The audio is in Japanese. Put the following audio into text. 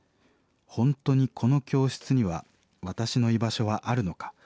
本当にこの教室には私の居場所はあるのか。